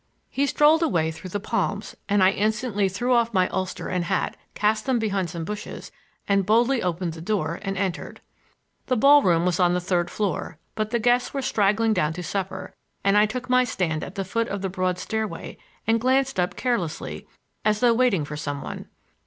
He strolled away through the palms, and I instantly threw off my ulster and hat, cast them behind some bushes, and boldly opened the door and entered. The ball room was on the third floor, but the guests were straggling down to supper, and I took my stand at the foot of the broad stairway and glanced up carelessly, as though waiting for some one.